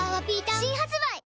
新発売